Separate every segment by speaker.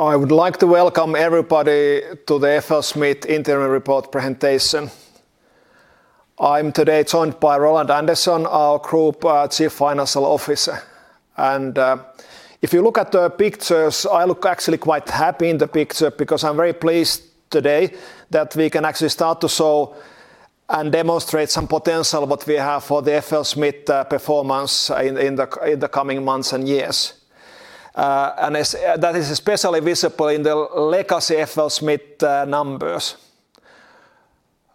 Speaker 1: I would like to welcome everybody to the FLSmidth Interim Report presentation. I'm today joined by Roland M. Andersen, our Group Chief Financial Officer. If you look at the pictures, I look actually quite happy in the picture because I'm very pleased today that we can actually start to show and demonstrate some potential what we have for the FLSmidth performance in the coming months and years. That is especially visible in the legacy FLSmidth numbers.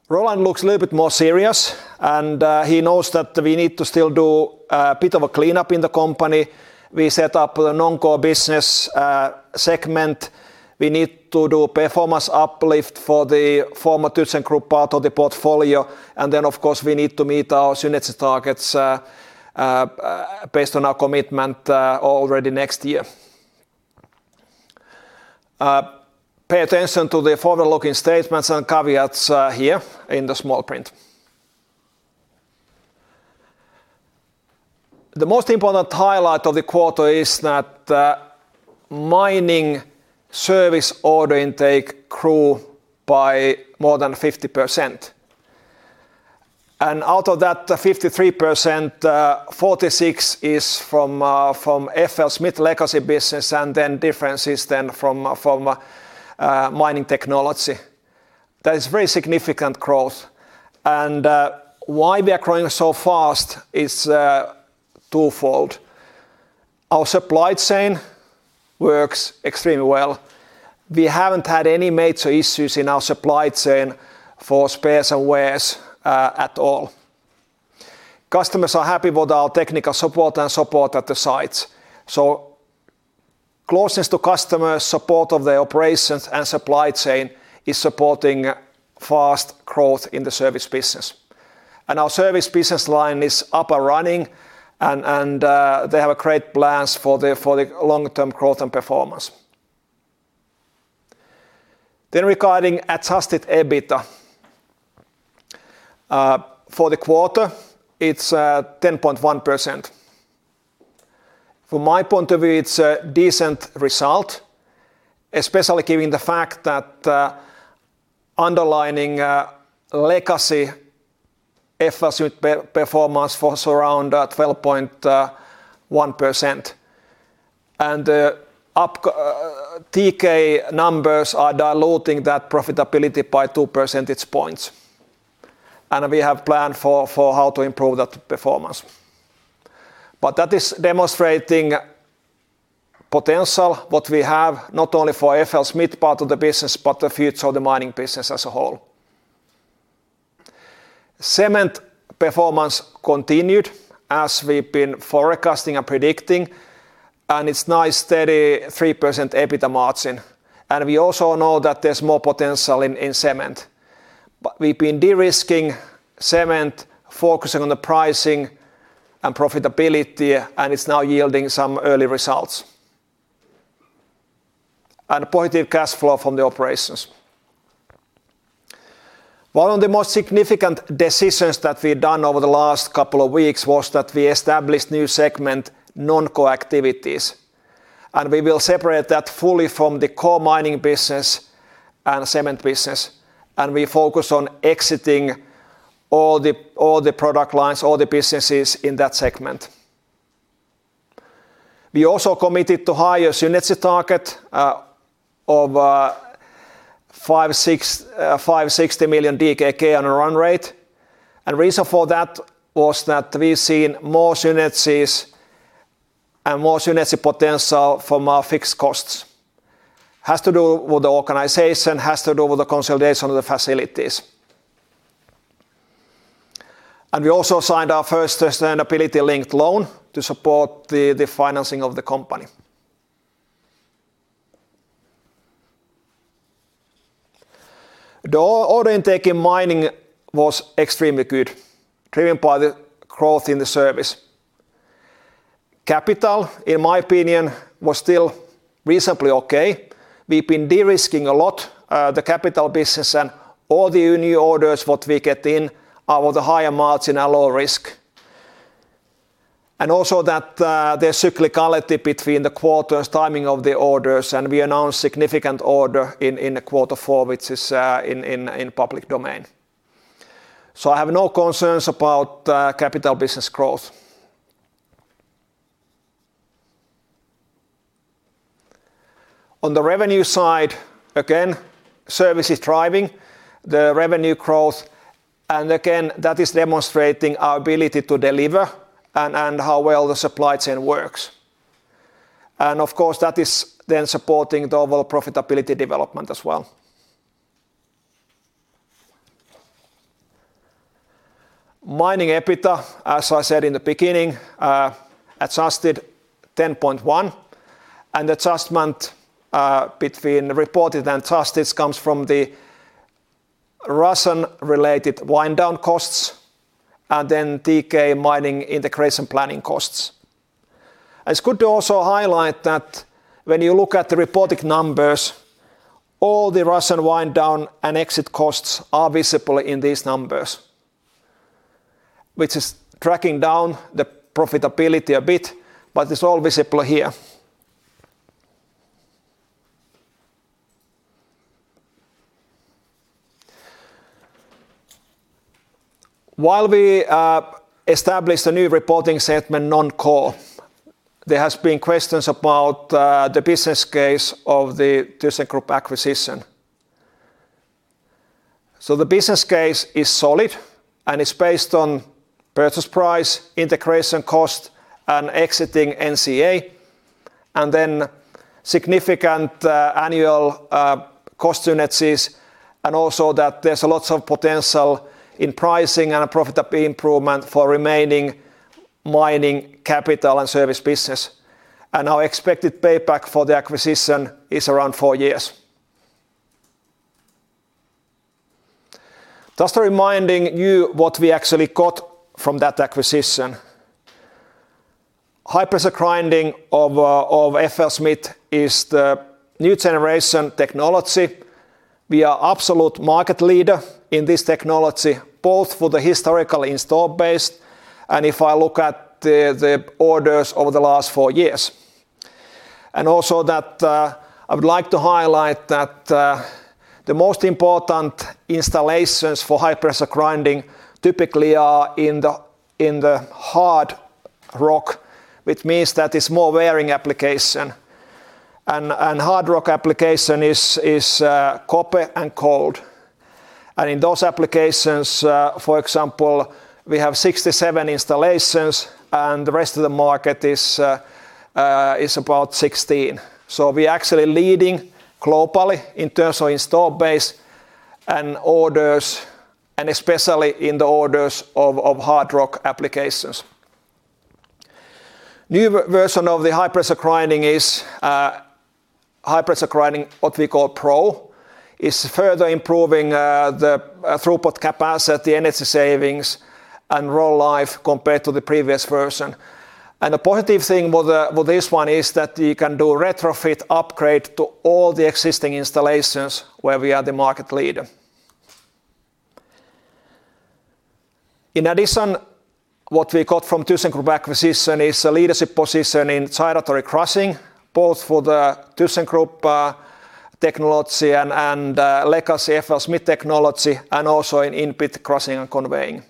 Speaker 1: Roland looks a little bit more serious, and he knows that we need to still do a bit of a cleanup in the company. We set up a non-core business segment. We need to do performance uplift for the former ThyssenKrupp part of the portfolio. Then, of course, we need to meet our synergy targets based on our commitment already next year. Pay attention to the forward-looking statements and caveats here in the small print. The most important highlight of the quarter is that the mining service order intake grew by more than 50%. Out of that 53%, 46% is from FLSmidth legacy business, difference is then from Mining Technologies. That is very significant growth. Why we are growing so fast is twofold. Our supply chain works extremely well. We haven't had any major issues in our supply chain for spares and wears at all. Customers are happy with our technical support and support at the sites. Closeness to customer support of the operations and supply chain is supporting fast growth in the service business. Our service business line is up and running, and they have great plans for the long-term growth and performance. Regarding adjusted EBITDA. For the quarter, it's 10.1%. From my point of view, it's a decent result, especially given the fact that underlining legacy FLSmidth performance was around 12.1% and TK numbers are diluting that profitability by two percentage points. We have planned for how to improve that performance. That is demonstrating potential, what we have not only for FLSmidth part of the business, but the future of the mining business as a whole. Cement performance continued as we've been forecasting and predicting, and it's nice steady 3% EBITDA margin. We also know that there's more potential in cement. We've been de-risking cement, focusing on the pricing and profitability, and it's now yielding some early results. Positive cash flow from the operations. One of the most significant decisions that we've done over the last couple of weeks was that we established new segment, non-core activities. We will separate that fully from the core mining business and cement business. We focus on exiting all the product lines, all the businesses in that segment. We also committed to higher synergy target of 560 million DKK on a run rate. Reason for that was that we've seen more synergies and more synergy potential from our fixed costs. Has to do with the organization, has to do with the consolidation of the facilities. We also signed our first sustainability-linked loan to support the financing of the company. The order intake in mining was extremely good, driven by the growth in the service. Capital, in my opinion, was still reasonably okay. We've been de-risking a lot the capital business and all the new orders what we get in are with a higher margin and low risk. Also that there's cyclicality between the quarters, timing of the orders, and we announced significant order in the quarter four, which is in public domain. I have no concerns about capital business growth. On the revenue side, again, service is driving the revenue growth, again, that is demonstrating our ability to deliver and how well the supply chain works. Of course, that is then supporting the overall profitability development as well. Mining EBITDA, as I said in the beginning, adjusted 10.1%, and adjustment between reported and adjusted comes from the Russian-related wind-down costs, then TK Mining integration planning costs. It's good to also highlight that when you look at the reported numbers, all the Russian wind-down and exit costs are visible in these numbers. It is tracking down the profitability a bit, but it's all visible here. While we established a new reporting segment, non-core, there has been questions about the business case of the ThyssenKrupp acquisition. The business case is solid, it's based on purchase price, integration cost, exiting NCA, significant annual cost synergies, there's lots of potential in pricing and profitability improvement for remaining mining capital and service business. Our expected payback for the acquisition is around four years. Just reminding you what we actually got from that acquisition. High-pressure grinding of FLSmidth is the new-generation technology. We are absolute market leader in this technology, both for the historical installed base, if I look at the orders over the last four years. I would like to highlight that the most important installations for high-pressure grinding typically are in the hard rock, which means that it's more wearing application. Hard rock application is copper and gold. In those applications, for example, we have 67 installations and the rest of the market is about 16. We are actually leading globally in terms of installed base and orders, especially in the orders of hard rock applications. New version of the high-pressure grinding is High Pressure Grinding, what we call Pro. It's further improving the throughput capacity, energy savings, and roll life compared to the previous version. The positive thing with this one is that you can do retrofit upgrade to all the existing installations where we are the market leader. In addition, what we got from ThyssenKrupp acquisition is a leadership position in gyratory crushing, both for the ThyssenKrupp technology and legacy FLSmidth technology, also in in-pit crushing and conveying.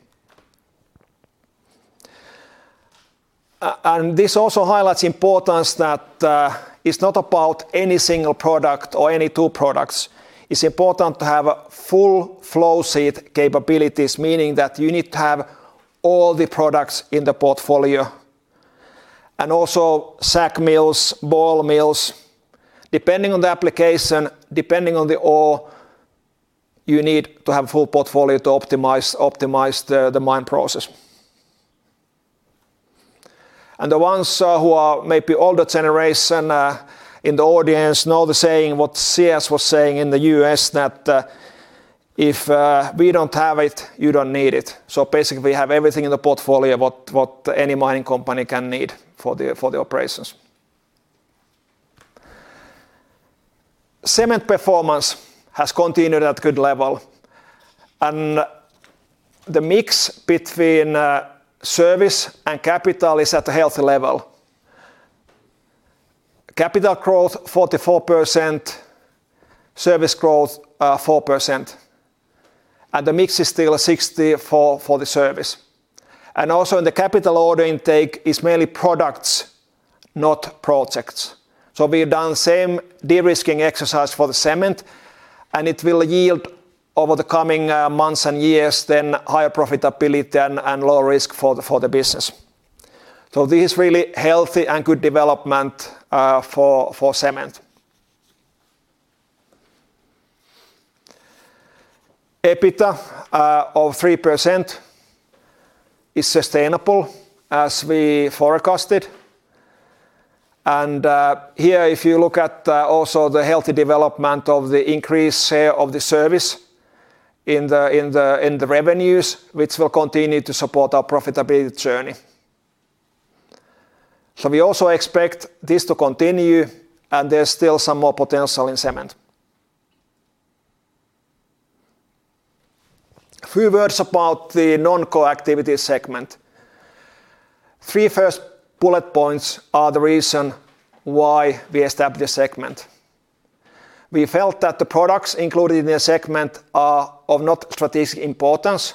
Speaker 1: This also highlights importance that it's not about any single product or any two products. It's important to have full flow sheet capabilities, meaning that you need to have all the products in the portfolio. Also SAG mills, ball mills. Depending on the application, depending on the ore, you need to have full portfolio to optimize the mine process. The ones who are maybe older generation in the audience know the saying what Sears was saying in the U.S., that if we don't have it, you don't need it. Basically, we have everything in the portfolio what any mining company can need for the operations. Cement performance has continued at a good level, the mix between service and capital is at a healthy level. Capital growth, 44%, service growth, 4%, the mix is still 64% for the service. Also the capital order intake is mainly products, not projects. We've done same de-risking exercise for the cement, and it will yield over the coming months and years, then higher profitability and lower risk for the business. This really healthy and good development for cement. EBITDA of 3% is sustainable as we forecasted. Here, if you look at also the healthy development of the increased share of the service in the revenues, which will continue to support our profitability journey. We also expect this to continue, and there's still some more potential in cement. A few words about the non-core activity segment. Three first bullet points are the reason why we established this segment. We felt that the products included in the segment are of not strategic importance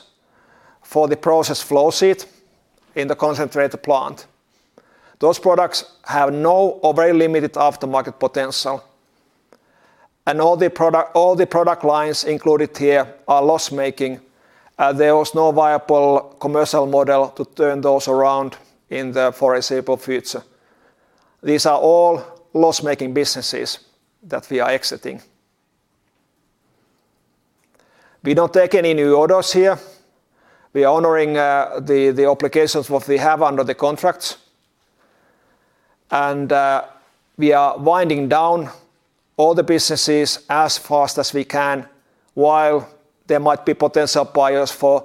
Speaker 1: for the process flow sheet in the concentrate plant. Those products have no or very limited aftermarket potential. All the product lines included here are loss-making, and there was no viable commercial model to turn those around in the foreseeable future. These are all loss-making businesses that we are exiting. We don't take any new orders here. We are honoring the obligations what we have under the contracts. We are winding down all the businesses as fast as we can. There might be potential buyers for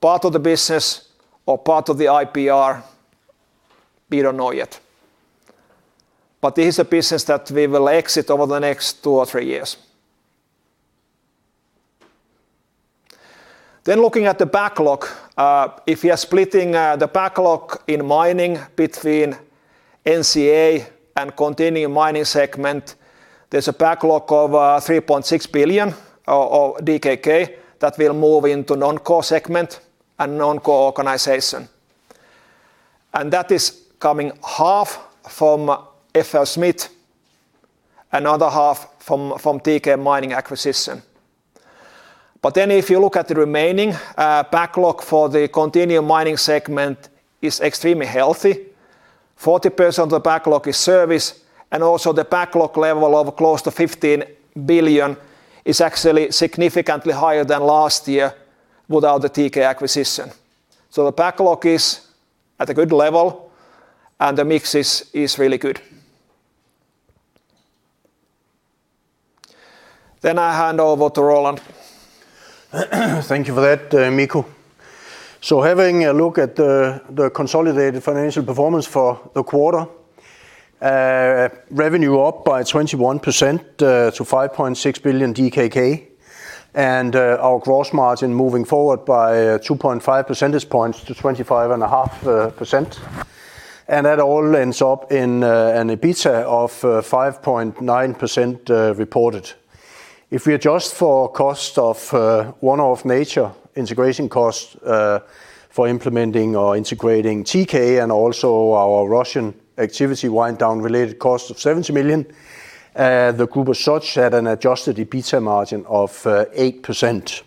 Speaker 1: part of the business or part of the IPR, we don't know yet. This is a business that we will exit over the next two or three years. Looking at the backlog, if you are splitting the backlog in mining between NCA and continuing mining segment, there's a backlog of 3.6 billion that will move into non-core segment and non-core organization. That is coming half from FLSmidth, another half from TK Mining acquisition. If you look at the remaining, backlog for the continuing mining segment is extremely healthy. 40% of the backlog is service, and also the backlog level of close to 15 billion is actually significantly higher than last year without the TK acquisition. The backlog is at a good level, and the mix is really good. I hand over to Roland.
Speaker 2: Thank you for that, Mikko. Having a look at the consolidated financial performance for the quarter. Revenue up by 21% to 5.6 billion DKK. Our gross margin moving forward by 2.5 percentage points to 25.5%. That all ends up in an EBITDA of 5.9% reported. If we adjust for cost of one-off nature integration cost for implementing or integrating TK and also our Russian activity wind down related cost of 70 million, the group as such had an adjusted EBITDA margin of 8%.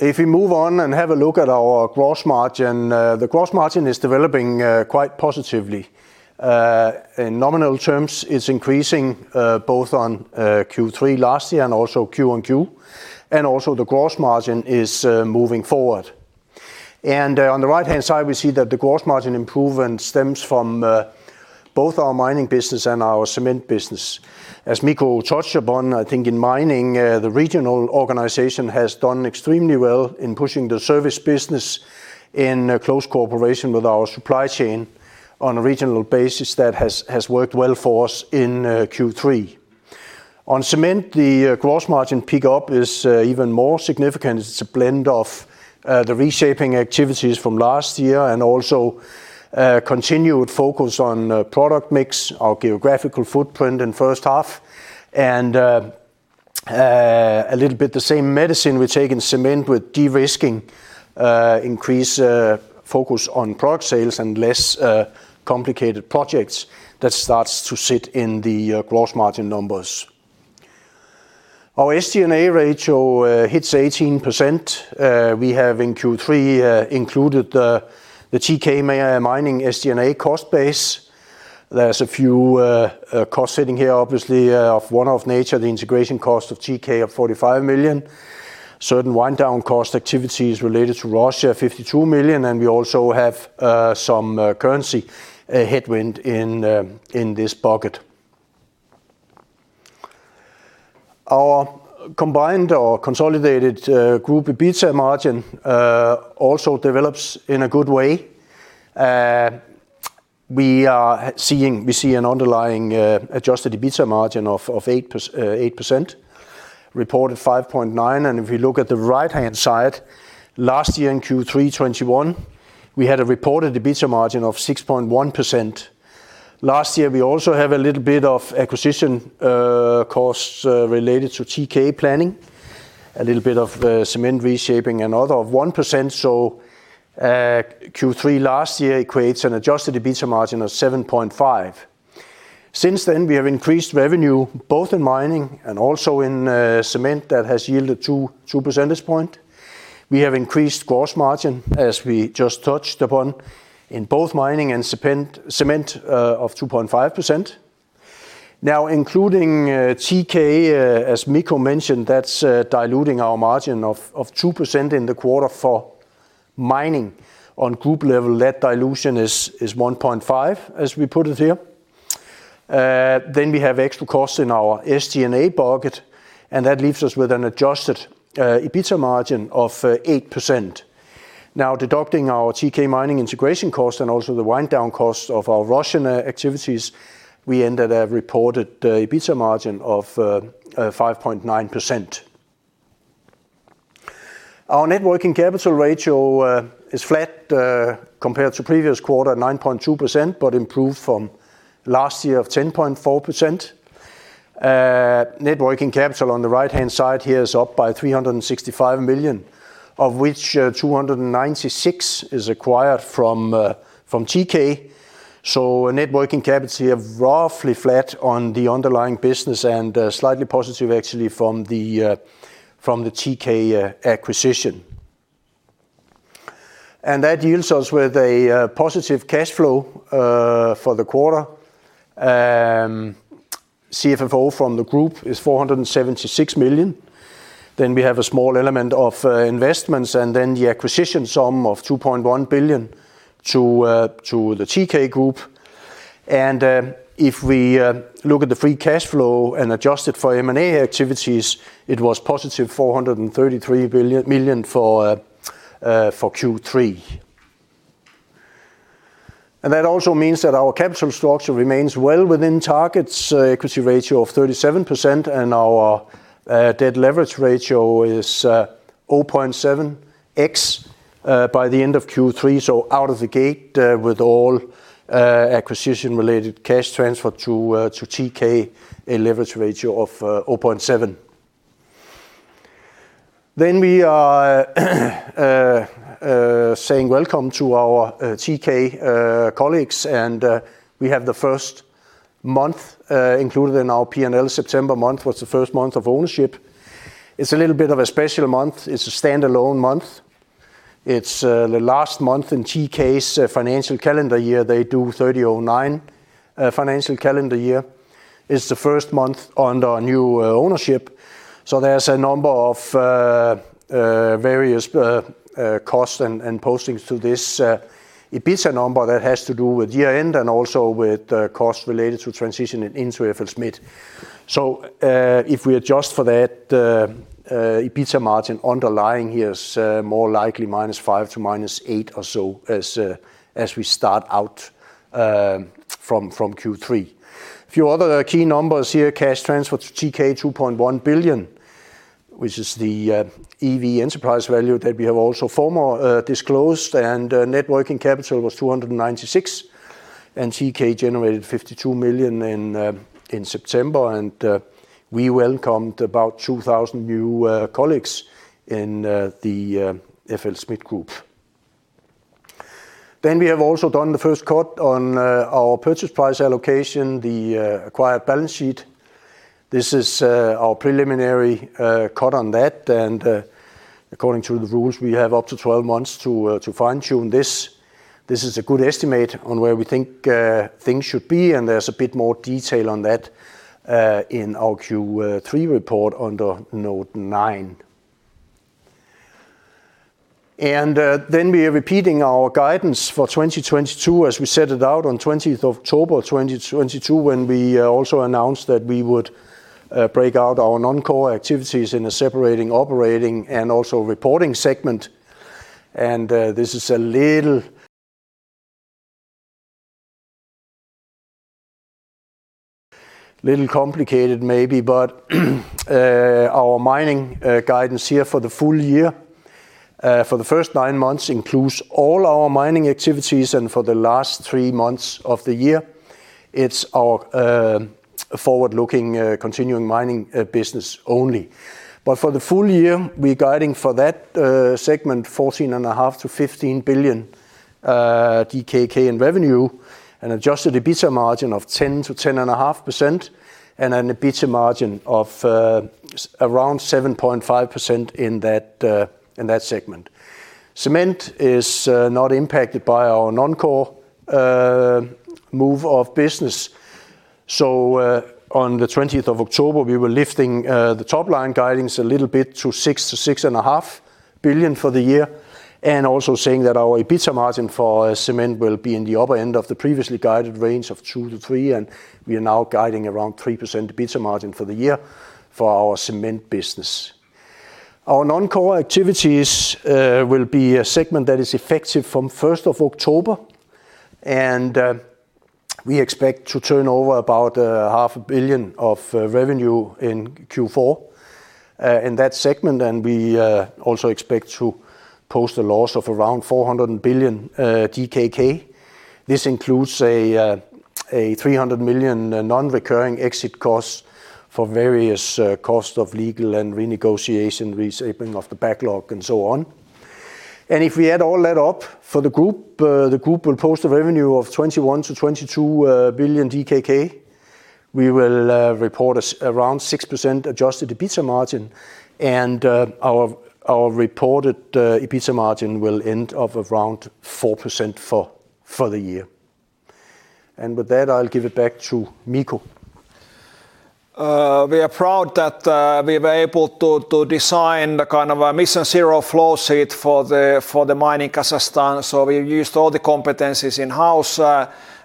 Speaker 2: We move on and have a look at our gross margin, the gross margin is developing quite positively. In nominal terms, it's increasing both on Q3 last year and also quarter-on-quarter, and also the gross margin is moving forward. On the right-hand side, we see that the gross margin improvement stems from both our mining business and our cement business. As Mikko touched upon, I think in mining, the regional organization has done extremely well in pushing the service business in close cooperation with our supply chain on a regional basis that has worked well for us in Q3. On cement, the gross margin pickup is even more significant. It's a blend of the reshaping activities from last year and also continued focus on product mix, our geographical footprint in first half, and a little bit the same medicine we take in cement with de-risking, increase focus on product sales and less complicated projects that starts to sit in the gross margin numbers. Our SG&A ratio hits 18%. We have in Q3 included the TK Mining SG&A cost base. There's a few costs sitting here, obviously, of one-off nature, the integration cost of TK of 45 million. Certain wind down cost activities related to Russia, 52 million, and we also have some currency headwind in this bucket. Our combined or consolidated group EBITDA margin also develops in a good way. We see an underlying adjusted EBITDA margin of 8%, reported 5.9%. And if you look at the right-hand side, last year in Q3 2021, we had a reported EBITDA margin of 6.1%. Last year, we also have a little bit of acquisition costs related to TK Mining, a little bit of cement reshaping and other of 1%. So Q3 last year creates an adjusted EBITDA margin of 7.5%. Since then, we have increased revenue both in mining and also in cement that has yielded two percentage point. We have increased gross margin, as we just touched upon, in both mining and cement of 2.5%. Now, including TK, as Mikko mentioned, that's diluting our margin of 2% in the quarter for mining. On group level, that dilution is 1.5%, as we put it here. Then we have extra costs in our SG&A bucket, and that leaves us with an adjusted EBITDA margin of 8%. Now, deducting our TK Mining integration cost and also the wind down cost of our Russian activities, we end at a reported EBITDA margin of 5.9%. Our net working capital ratio is flat compared to previous quarter, 9.2%, but improved from last year of 10.4%. Net working capital on the right-hand side here is up by 365 million, of which 296 is acquired from TK. So net working capital are roughly flat on the underlying business and slightly positive actually from the TK acquisition. And that yields us with a positive cash flow for the quarter. CFFO from the group is 476 million. Then we have a small element of investments, and then the acquisition sum of 2.1 billion to the TK Group. And if we look at the free cash flow and adjust it for M&A activities, it was positive 433 million for Q3. And that also means that our capital structure remains well within targets equity ratio of 37%, and our debt leverage ratio is 0.7x by the end of Q3. So out of the gate with all acquisition related cash transfer to TK, a leverage ratio of 0.7x. Then we are saying welcome to our TK colleagues, and we have the first month included in our P&L. September month was the first month of ownership. It's a little bit of a special month. It's a standalone month. It's the last month in TK's financial calendar year. They do 30/09 financial calendar year. If we adjust for that, the EBITDA margin underlying here is more likely -5% to -8% or so as we start out from Q3. A few other key numbers here, cash transfer to TK, 2.1 billion, which is the EV enterprise value that we have also formal disclosed, and net working capital was 296 million, and TK generated 52 million in September, and we welcomed about 2,000 new colleagues in the FLSmidth Group. We have also done the first cut on our purchase price allocation, the acquired balance sheet. This is our preliminary cut on that, and according to the rules, we have up to 12 months to fine-tune this. This is a good estimate on where we think things should be, and there's a bit more detail on that in our Q3 report under Note 9. We are repeating our guidance for 2022, as we set it out on 20th of October 2022, when we also announced that we would break out our non-core activities in a separating operating and also reporting segment. This is a little complicated maybe, but our mining guidance here for the full year for the first nine months includes all our mining activities, and for the last three months of the year, it's our forward-looking continuing mining business only. For the full year, we are guiding for that segment 14.5 billion-15 billion DKK in revenue, an adjusted EBITDA margin of 10%-10.5%, and an EBITDA margin of around 7.5% in that segment. Cement is not impacted by our non-core move of business. On the 20th of October, we were lifting the top-line guidance a little bit to 6 billion-6.5 billion for the year and also saying that our EBITDA margin for cement will be in the upper end of the previously guided range of 2%-3%, and we are now guiding around 3% EBITDA margin for the year for our cement business. Our non-core activities will be a segment that is effective from 1st of October, and we expect to turn over about half a billion of revenue in Q4 in that segment, and we also expect to post a loss of around 400 million DKK. This includes a 300 million non-recurring exit cost for various cost of legal and renegotiation, reshaping of the backlog, and so on. If we add all that up for the group, the group will post a revenue of 21 billion-22 billion DKK. We will report around 6% adjusted EBITDA margin, and our reported EBITDA margin will end up around 4% for the year. With that, I'll give it back to Mikko.
Speaker 1: We are proud that we were able to design a kind of a MissionZero flow sheet for the mine in Kazakhstan. We used all the competencies in-house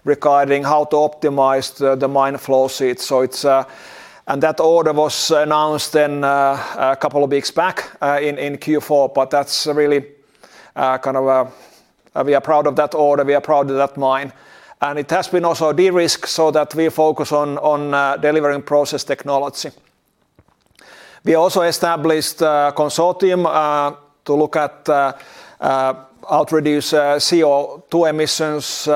Speaker 1: regarding how to optimize the mine flow sheet. That order was announced a couple of weeks back in Q4, but that's really We are proud of that order, we are proud of that mine. It has been also a de-risk so that we focus on delivering process technology. We also established a consortium to look at how to reduce CO2 emissions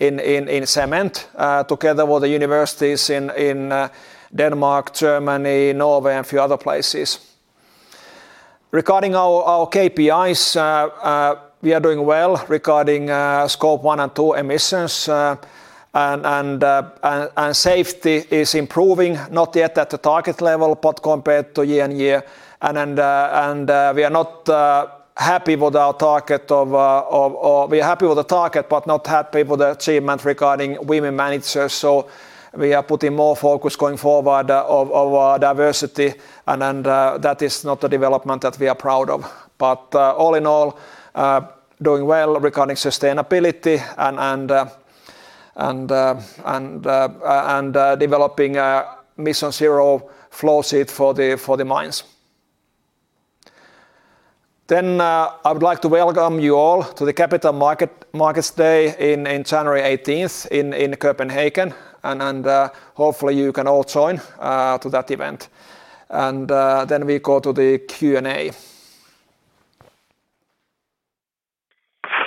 Speaker 1: in cement together with the universities in Denmark, Germany, Norway, and a few other places. Regarding our KPIs, we are doing well regarding Scope 1 and 2 emissions, and safety is improving, not yet at the target level, but compared to year-on-year. We are happy with the target, but not happy with the achievement regarding women managers. We are putting more focus going forward of our diversity, and that is not a development that we are proud of. All in all, doing well regarding sustainability and developing a MissionZero flow sheet for the mines. I would like to welcome you all to the Capital Markets Day in January 18th in Copenhagen, hopefully you can all join to that event. We go to the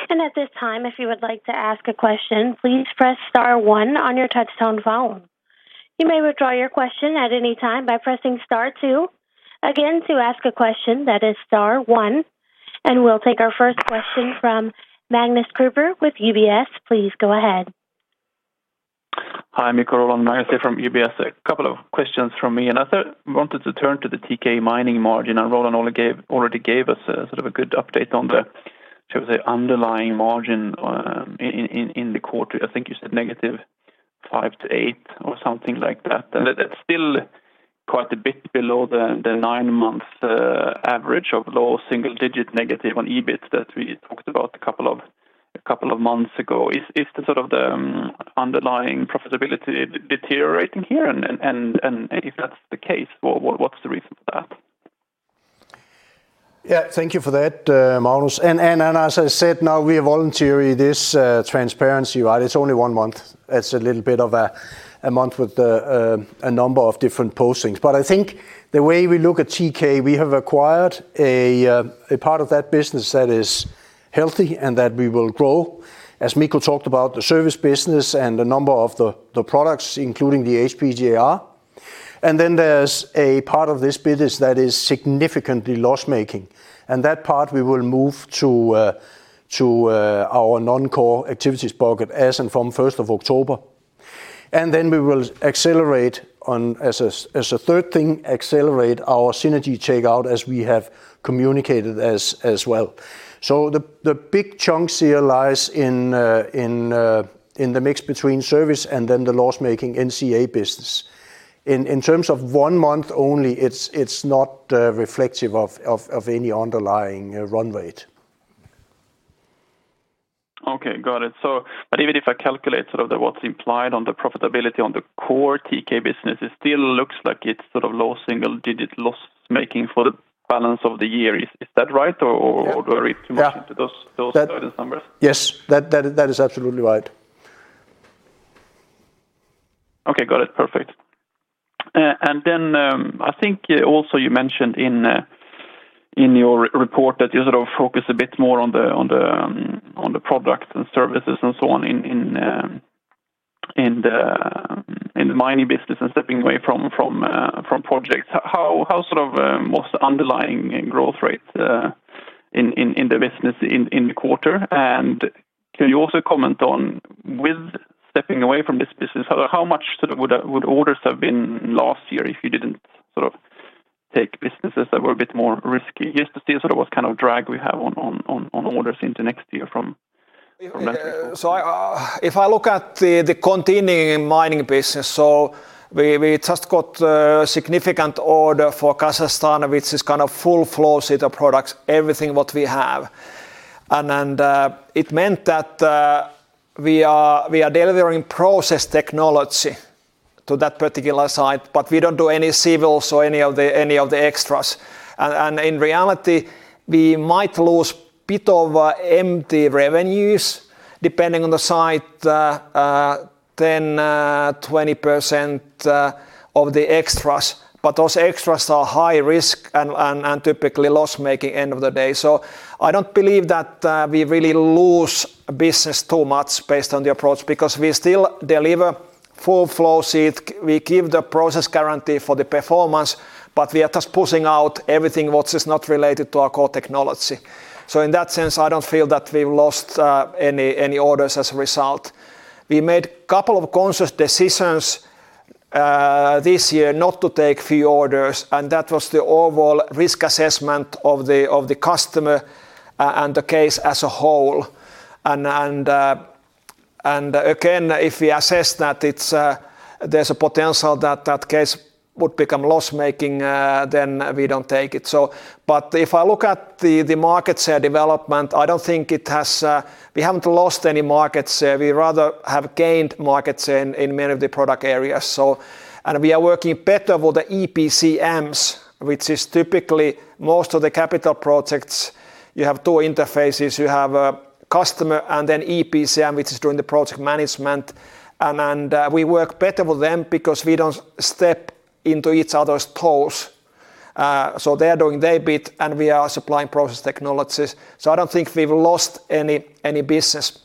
Speaker 1: Q&A.
Speaker 3: At this time, if you would like to ask a question, please press star one on your touch-tone phone. You may withdraw your question at any time by pressing star two. Again, to ask a question, that is star one. We'll take our first question from Magnus Kruber with UBS. Please go ahead.
Speaker 4: Hi, Mikko, Roland, Magnus here from UBS. A couple of questions from me. I thought I wanted to turn to the TK Mining margin. Roland already gave us a sort of a good update on the, should I say, underlying margin in the quarter. I think you said negative 5 to 8 or something like that. That's still quite a bit below the nine-month average of low single-digit negative on EBIT that we talked about a couple of months ago. Is the sort of the underlying profitability deteriorating here? If that's the case, what's the reason for that?
Speaker 2: Thank you for that, Magnus. As I said, now we are voluntary this transparency guide. It's only one month. It's a little bit of a month with a number of different postings. I think the way we look at TK, we have acquired a part of that business that is healthy and that we will grow. As Mikko talked about, the service business and the number of the products, including the HPGR. There's a part of this business that is significantly loss-making. That part we will move to our non-core activities pocket as from 1st of October. We will accelerate, as a third thing, accelerate our synergy checkout as we have communicated as well. The big chunks here lies in the mix between service and then the loss-making NCA business. In terms of one month only, it's not reflective of any underlying run rate.
Speaker 4: Okay, got it. Even if I calculate sort of what's implied on the profitability on the core TK business, it still looks like it's sort of low single-digit loss-making for the balance of the year. Is that right, or do I read too much into those guidance numbers?
Speaker 2: Yes, that is absolutely right.
Speaker 4: Okay. Got it. Perfect. I think also you mentioned in your report that you sort of focus a bit more on the products and services and so on in the mining business and stepping away from projects. How sort of was the underlying growth rate in the business in the quarter, and can you also comment on, with stepping away from this business, how much sort of would orders have been last year if you didn't sort of take businesses that were a bit more risky? Yes, to see sort of what kind of drag we have on orders into next year from that report.
Speaker 1: If I look at the continuing mining business, we just got a significant order for Kazakhstan, which is kind of full flow sheet of products, everything what we have. It meant that we are delivering process technology to that particular site, but we don't do any civils or any of the extras. In reality, we might lose bit of empty revenues depending on the site, 10%-20% of the extras, but those extras are high risk and typically loss-making end of the day. I don't believe that we really lose business too much based on the approach, because we still deliver full flow sheet, we give the process guarantee for the performance, but we are just pushing out everything what is not related to our core technology. In that sense, I don't feel that we've lost any orders as a result. We made couple of conscious decisions this year not to take few orders, and that was the overall risk assessment of the customer and the case as a whole. Again, if we assess that there's a potential that that case would become loss-making, then we don't take it. If I look at the market share development, We haven't lost any markets. We rather have gained markets in many of the product areas. We are working better with the EPCM's, which is typically most of the capital projects. You have two interfaces. You have a customer and then EPCM, which is doing the project management. We work better with them because we don't step into each other's toes. They are doing their bit, and we are supplying process technologies. I don't think we've lost any business.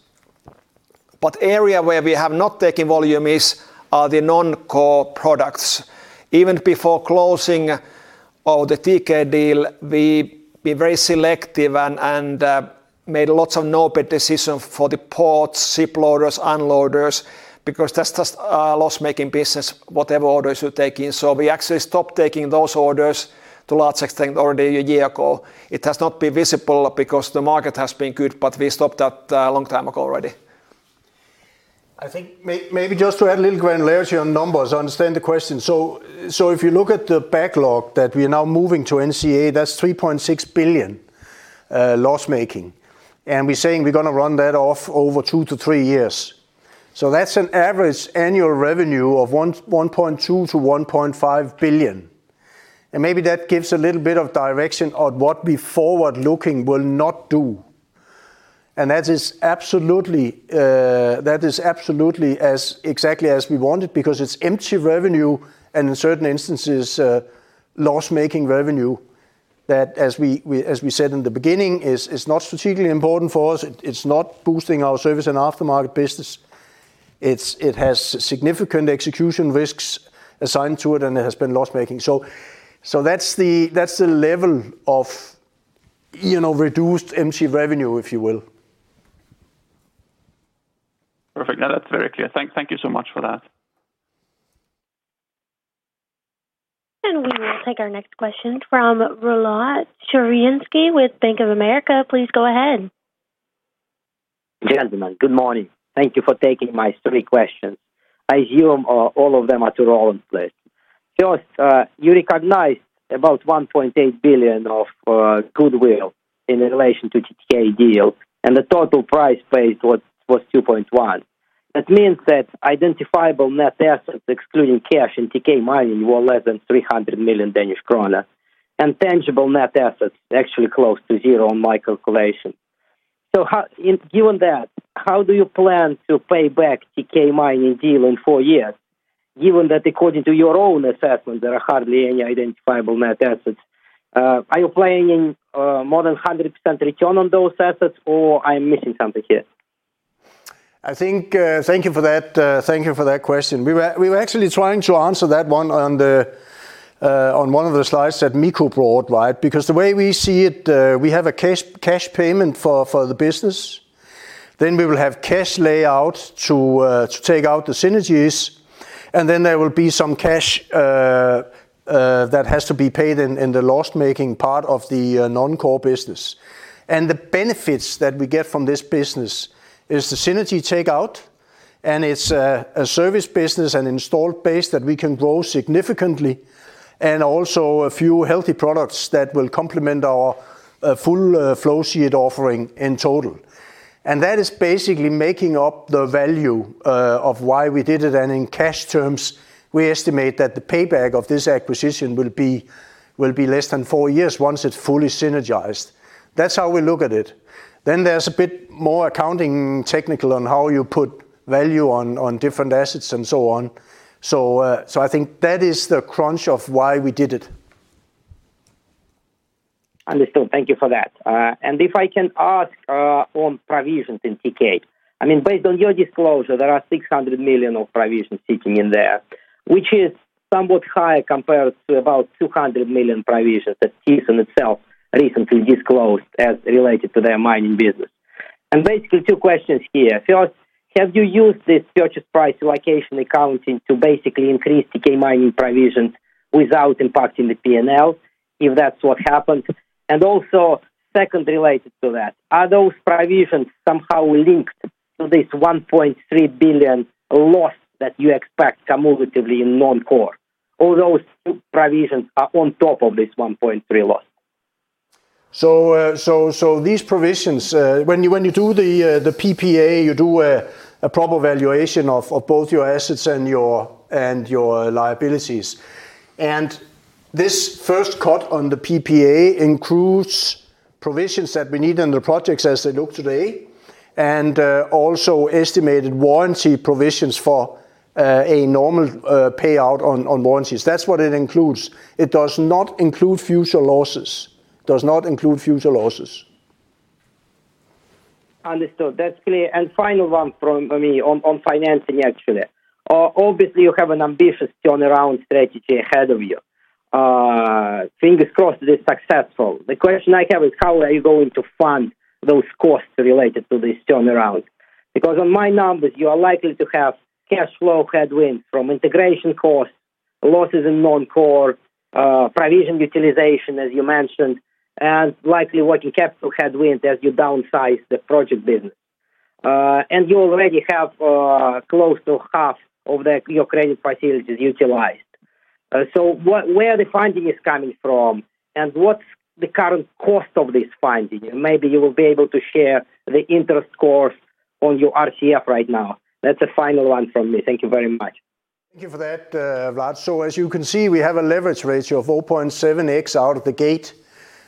Speaker 1: Area where we have not taken volume is the non-core products. Even before closing of the TK deal, we're very selective and made lots of no-bid decisions for the ports, ship loaders, unloaders, because that's just a loss-making business, whatever orders you take in. We actually stopped taking those orders to a large extent already a year ago. It has not been visible because the market has been good, but we stopped that a long time ago already.
Speaker 2: I think maybe just to add a little granularity on numbers, I understand the question. If you look at the backlog that we are now moving to NCA, that's 3.6 billion loss-making. We're saying we're going to run that off over two to three years. That's an average annual revenue of 1.2 billion to 1.5 billion. Maybe that gives a little bit of direction on what we forward-looking will not do. That is absolutely exactly as we want it because it's empty revenue and, in certain instances, loss-making revenue that, as we said in the beginning, is not strategically important for us. It's not boosting our service and aftermarket business. It has significant execution risks assigned to it, and it has been loss-making. That's the level of reduced MC revenue, if you will.
Speaker 4: Perfect. No, that's very clear. Thank you so much for that.
Speaker 3: We will take our next question from Vladimir Sergievskii with Bank of America. Please go ahead.
Speaker 5: Gentlemen, good morning. Thank you for taking my three questions. I assume all of them are to Roland, please. First, you recognized about 1.8 billion of goodwill in relation to TK deal, and the total price paid was 2.1. That means that identifiable net assets, excluding cash and TK Mining, were less than 300 million Danish krone, and tangible net assets actually close to zero in my calculation. Given that, how do you plan to pay back TK Mining deal in four years, given that according to your own assessment, there are hardly any identifiable net assets? Are you planning more than 100% return on those assets, or I'm missing something here?
Speaker 2: Thank you for that question. We were actually trying to answer that one on one of the slides that Mikko brought, right? The way we see it, we have a cash payment for the business, then we will have cash layout to take out the synergies, and then there will be some cash that has to be paid in the loss-making part of the non-core business. The benefits that we get from this business is the synergy take out, and it's a service business and installed base that we can grow significantly, and also a few healthy products that will complement our full flow sheet offering in total. That is basically making up the value of why we did it. In cash terms, we estimate that the payback of this acquisition will be less than four years once it's fully synergized. That's how we look at it. There's a bit more accounting technical on how you put value on different assets and so on. I think that is the crunch of why we did it.
Speaker 5: Understood. Thank you for that. If I can ask on provisions in TK. Based on your disclosure, there are 600 million of provisions sitting in there, which is somewhat high compared to about 200 million provisions that Thyssen itself recently disclosed as related to their mining business. Basically two questions here. First, have you used this purchase price allocation accounting to basically increase TK Mining provisions without impacting the P&L, if that's what happened? Also, second related to that, are those provisions somehow linked to this 1.3 billion loss that you expect cumulatively in non-core? Those two provisions are on top of this 1.3 loss?
Speaker 2: These provisions, when you do the PPA, you do a proper valuation of both your assets and your liabilities. This first cut on the PPA includes provisions that we need on the projects as they look today, and also estimated warranty provisions for a normal payout on warranties. That's what it includes. It does not include future losses.
Speaker 5: Understood. That's clear. Final one from me on financing, actually. Obviously, you have an ambitious turnaround strategy ahead of you. Fingers crossed it is successful. The question I have is how are you going to fund those costs related to this turnaround? Because on my numbers, you are likely to have cash flow headwinds from integration costs, losses in non-core, provision utilization, as you mentioned, and likely working capital headwinds as you downsize the project business. You already have close to half of your credit facilities utilized. Where the funding is coming from, and what's the current cost of this funding? Maybe you will be able to share the interest cost on your RCF right now. That's the final one from me. Thank you very much.
Speaker 2: Thank you for that, Vlad. As you can see, we have a leverage ratio of 0.7x out of the gate,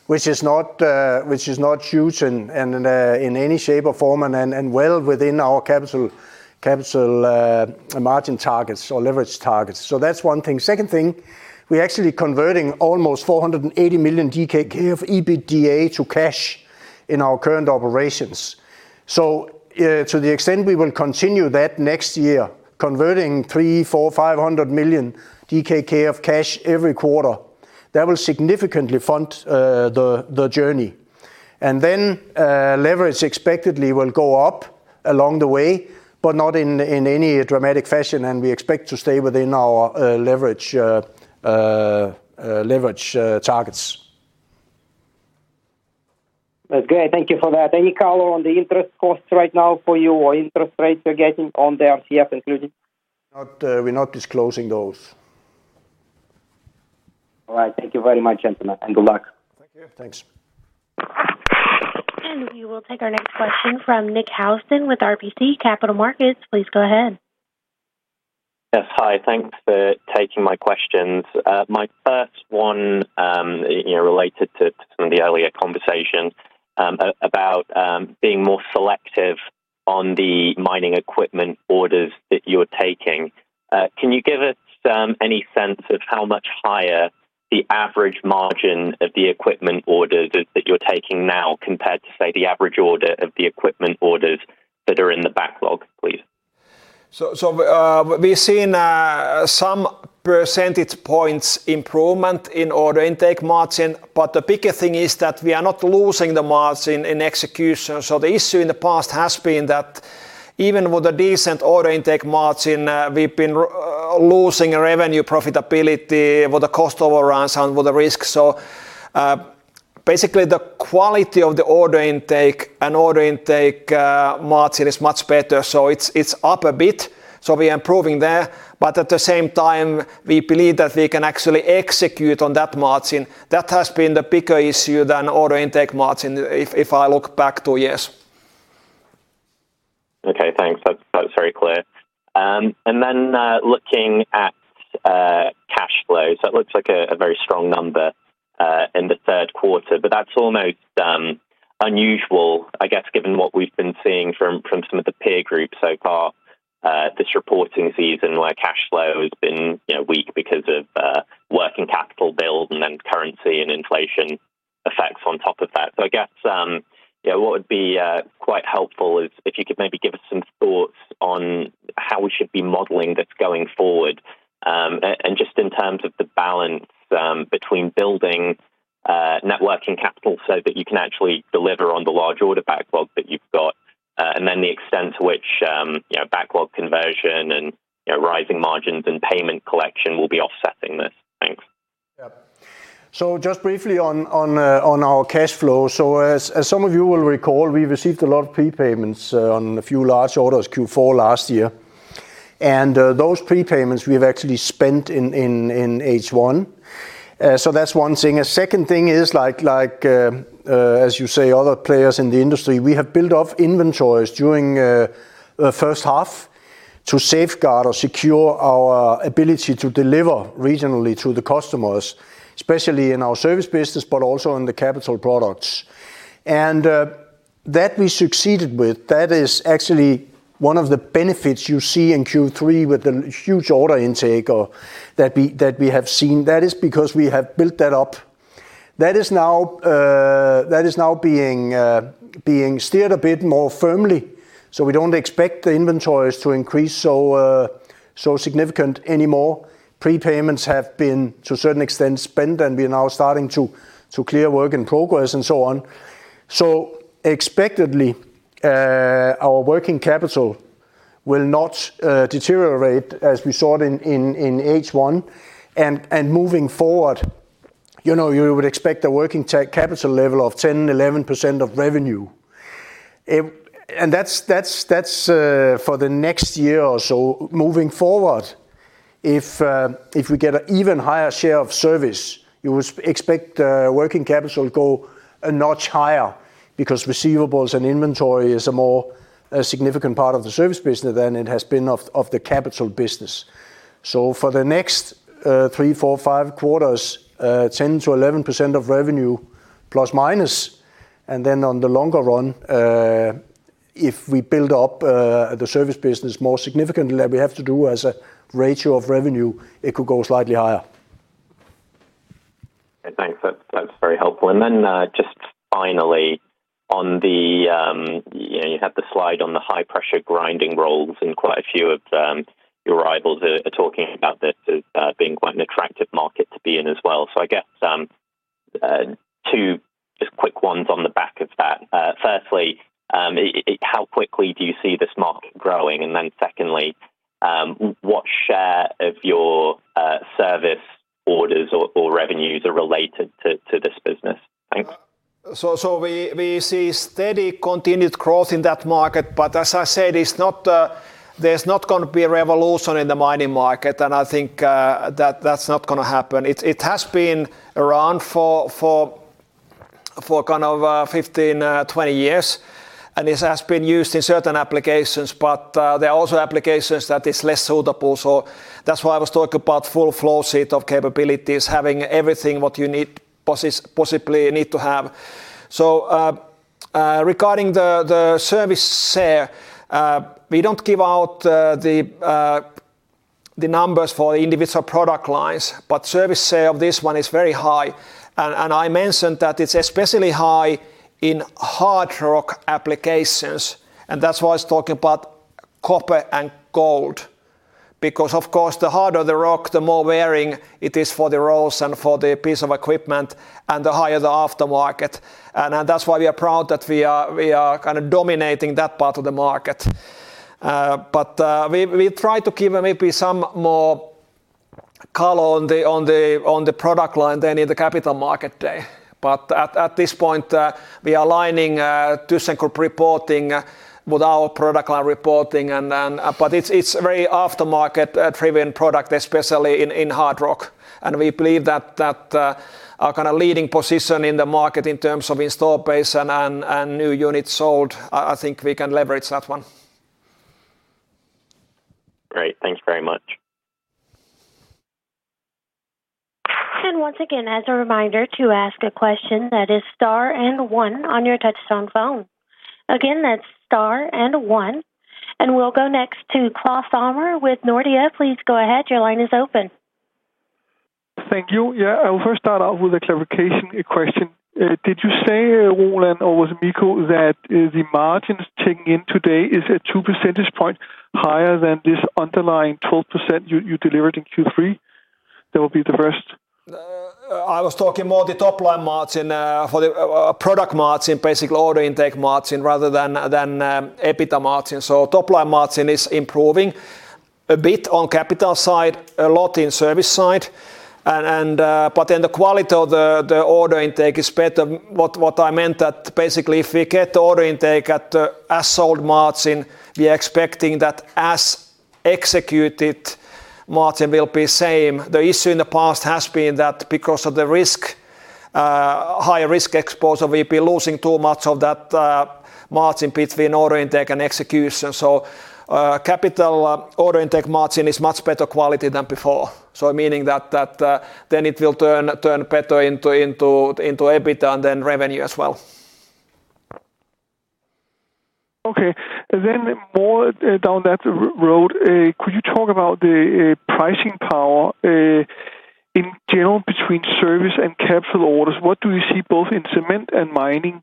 Speaker 2: which is not huge in any shape or form and well within our capital margin targets or leverage targets. That's one thing. Second thing, we're actually converting almost 480 million DKK of EBITDA to cash in our current operations. To the extent we will continue that next year, converting 300, 400, 500 million DKK of cash every quarter, that will significantly fund the journey. Then leverage expectedly will go up along the way, but not in any dramatic fashion, and we expect to stay within our leverage targets.
Speaker 5: That's great. Thank you for that. Any color on the interest costs right now for you or interest rates you're getting on the RCF included?
Speaker 2: We're not disclosing those.
Speaker 5: All right. Thank you very much, gentlemen, and good luck.
Speaker 2: Thank you.
Speaker 1: Thanks.
Speaker 3: We will take our next question from Nicholas Housden with RBC Capital Markets. Please go ahead.
Speaker 6: Yes. Hi. Thanks for taking my questions. My first one related to some of the earlier conversations about being more selective on the mining equipment orders that you're taking. Can you give us any sense of how much higher the average margin of the equipment orders is that you're taking now compared to, say, the average order of the equipment orders that are in the backlog, please?
Speaker 1: We're seeing some percentage points improvement in order intake margin. The bigger thing is that we are not losing the margin in execution. The issue in the past has been that even with a decent order intake margin, we've been losing revenue profitability with the cost overruns and with the risk. Basically, the quality of the order intake and order intake margin is much better. It's up a bit. We are improving there. At the same time, we believe that we can actually execute on that margin. That has been the bigger issue than order intake margin if I look back two years.
Speaker 6: Okay, thanks. That's very clear. Looking at cash flows, that looks like a very strong number, in the third quarter. That's almost unusual, I guess, given what we've been seeing from some of the peer groups so far this reporting season, where cash flow has been weak because of working capital build and then currency and inflation effects on top of that. I guess, what would be quite helpful is if you could maybe give us some thoughts on how we should be modeling this going forward. Just in terms of the balance between building net working capital so that you can actually deliver on the large order backlog that you've got. Then the extent to which backlog conversion and rising margins and payment collection will be offsetting this. Thanks.
Speaker 2: Yeah. Just briefly on our cash flow. As some of you will recall, we received a lot of prepayments on a few large orders Q4 last year. Those prepayments we've actually spent in H1. That's one thing. A second thing is, as you say, other players in the industry, we have built off inventories during the first half to safeguard or secure our ability to deliver regionally to the customers, especially in our service business, but also in the capital products. That we succeeded with. That is actually one of the benefits you see in Q3 with the huge order intake or that we have seen. That is because we have built that up. That is now being steered a bit more firmly. We don't expect the inventories to increase so significant anymore. Prepayments have been, to a certain extent, spent, we are now starting to clear work in progress and so on. Expectedly, our working capital will not deteriorate as we saw it in H1. Moving forward, you would expect a working capital level of 10%-11% of revenue. That's for the next year or so moving forward. If we get an even higher share of service, you would expect working capital go a notch higher because receivables and inventory is a more significant part of the service business than it has been of the capital business. For the next three, four, five quarters, 10%-11% of revenue, plus, minus. On the longer run, if we build up the service business more significantly than we have to do as a ratio of revenue, it could go slightly higher.
Speaker 6: Okay, thanks. That's very helpful. Just finally, you have the slide on the High Pressure Grinding Rolls, quite a few of your rivals are talking about this as being quite an attractive market to be in as well. I guess, two just quick ones on the back of that. Firstly, how quickly do you see this market growing? Secondly, what share of your service orders or revenues are related to this business? Thanks.
Speaker 1: We see steady, continued growth in that market. As I said, there's not going to be a revolution in the mining market, I think that's not going to happen. It has been around for kind of 15-20 years, it has been used in certain applications. There are also applications that is less suitable. That's why I was talking about full flow sheet of capabilities, having everything what you possibly need to have. Regarding the service share, we don't give out the numbers for individual product lines. Service share of this one is very high. I mentioned that it's especially high in hard rock applications. That's why I was talking about copper and gold. Of course, the harder the rock, the more wearing it is for the rolls and for the piece of equipment, the higher the aftermarket. That's why we are proud that we are kind of dominating that part of the market. We try to give maybe some more color on the product line than in the Capital Markets Day. At this point, we are aligning ThyssenKrupp reporting with our product line reporting. It's very aftermarket-driven product, especially in hard rock. We believe that our kind of leading position in the market in terms of install base and new units sold, I think we can leverage that one.
Speaker 6: Great. Thanks very much.
Speaker 3: Once again, as a reminder, to ask a question, that is star and one on your touchtone phone. Again, that's star and one. We'll go next to Claus Almer with Nordea. Please go ahead, your line is open.
Speaker 7: Thank you. I will first start off with a clarification question. Did you say, Roland or was it Mikko, that the margins checking in today is at two percentage point higher than this underlying 12% you delivered in Q3? That would be the first.
Speaker 1: I was talking more the top line margin for the product margin, basically order intake margin rather than EBITA margin. Top line margin is improving a bit on capital side, a lot in service side. The quality of the order intake is better. What I meant that basically if we get the order intake at the as sold margin, we are expecting that as executed margin will be same. The issue in the past has been that because of the high risk exposure, we've been losing too much of that margin between order intake and execution. Capital order intake margin is much better quality than before. Meaning that then it will turn better into EBIT and then revenue as well.
Speaker 7: More down that road, could you talk about the pricing power in general between service and capital orders? What do you see both in cement and mining?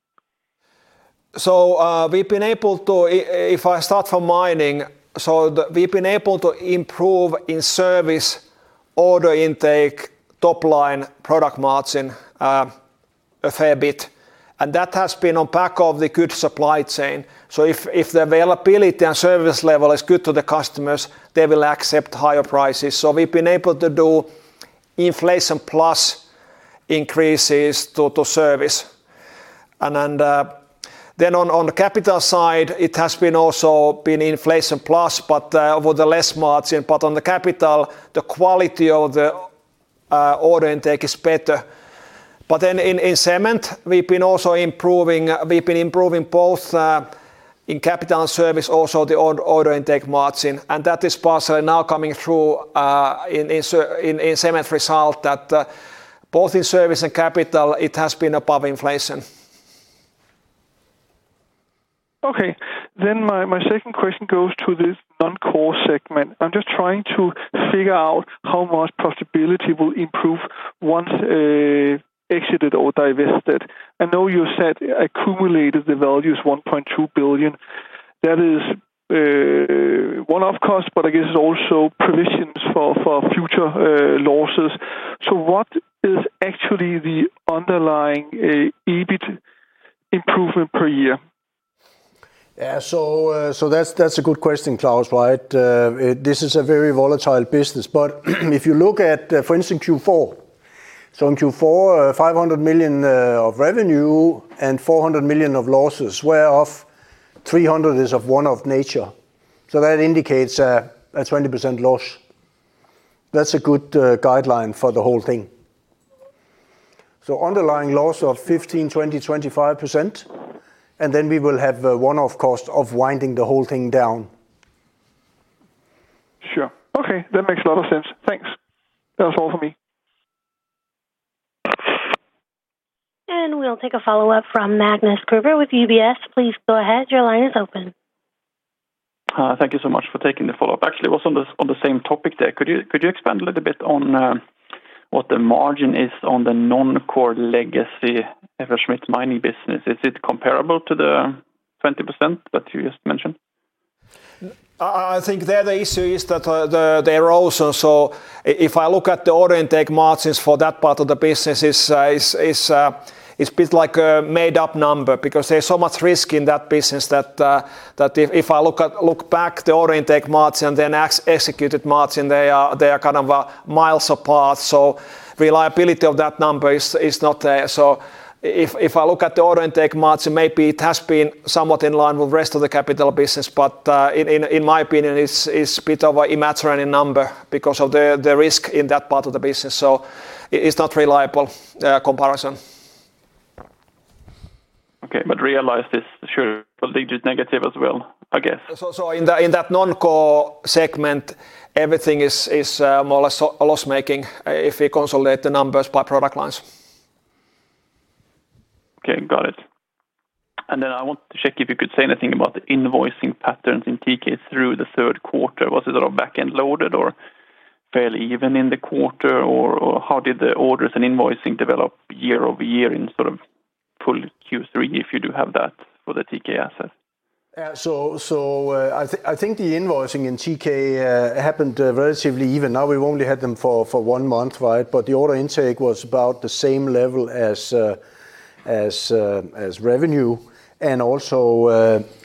Speaker 1: We've been able to, if I start from mining, we've been able to improve in service order intake, top line product margin a fair bit, and that has been on back of the good supply chain. If the availability and service level is good to the customers, they will accept higher prices. We've been able to do inflation plus increases to service. On the capital side, it has also been inflation plus, but with a less margin. On the capital, the quality of the order intake is better. In cement, we've been improving both in capital and service also the order intake margin, and that is partially now coming through in cement result that both in service and capital, it has been above inflation.
Speaker 7: Okay. My second question goes to this non-core segment. I'm just trying to figure out how much profitability will improve once exited or divested. I know you said accumulated the value is 1.2 billion. That is one-off cost, but I guess it's also provisions for future losses. What is actually the underlying EBIT improvement per year?
Speaker 2: That's a good question, Claus. This is a very volatile business. If you look at, for instance, Q4. In Q4, 500 million of revenue and 400 million of losses, where of 300 is of one-off nature. That indicates a 20% loss. That's a good guideline for the whole thing. Underlying loss of 15%, 20%, 25%, and then we will have a one-off cost of winding the whole thing down.
Speaker 7: Sure. Okay. That makes a lot of sense. Thanks. That was all for me.
Speaker 3: We'll take a follow-up from Magnus Kruber with UBS. Please go ahead, your line is open.
Speaker 4: Hi. Thank you so much for taking the follow-up. Actually, it was on the same topic there. Could you expand a little bit on what the margin is on the non-core legacy FLSmidth mining business? Is it comparable to the 20% that you just mentioned?
Speaker 1: I think there the issue is that they are also. If I look at the order intake margins for that part of the business, it's a bit like a made-up number because there's so much risk in that business that if I look back the order intake margin, then as executed margin, they are kind of miles apart. Reliability of that number is not there. If I look at the order intake margin, maybe it has been somewhat in line with rest of the capital business. In my opinion, it's a bit of a immaterial number because of the risk in that part of the business. It's not reliable comparison.
Speaker 4: Okay. Realized it's sure negative as well, I guess.
Speaker 1: In that non-core segment, everything is more or less a loss-making if we consolidate the numbers by product lines.
Speaker 4: Okay. Got it. I want to check if you could say anything about the invoicing patterns in TK through the third quarter. Was it all back-end loaded or fairly even in the quarter, or how did the orders and invoicing develop year-over-year in sort of full Q3, if you do have that for the TK assets?
Speaker 2: Yeah. I think the invoicing in TK happened relatively even. Now we've only had them for one month. The order intake was about the same level as revenue.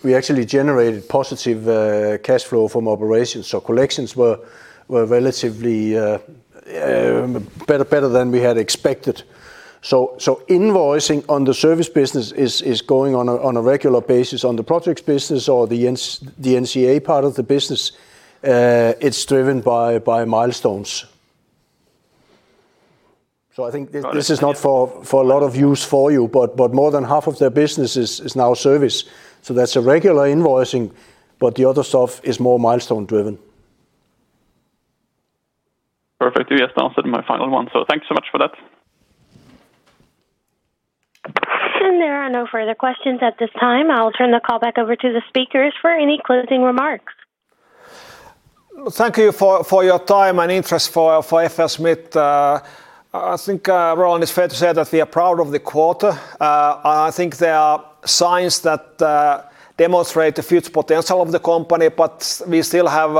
Speaker 2: We actually generated positive cash flow from operations. Collections were relatively better than we had expected. Invoicing on the service business is going on a regular basis. On the projects business or the NCA part of the business, it's driven by milestones. I think this is not for a lot of use for you, but more than half of their business is now service. That's a regular invoicing, but the other stuff is more milestone driven.
Speaker 4: Perfect. You just answered my final one, thank you so much for that.
Speaker 3: There are no further questions at this time. I'll turn the call back over to the speakers for any closing remarks.
Speaker 1: Thank you for your time and interest for FLSmidth. I think Roland, it's fair to say that we are proud of the quarter. I think there are signs that demonstrate the future potential of the company, but we still have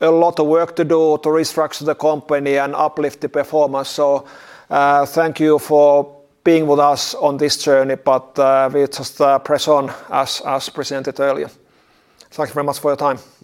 Speaker 1: a lot of work to do to restructure the company and uplift the performance. Thank you for being with us on this journey, but we just press on as presented earlier. Thank you very much for your time.
Speaker 2: Thank you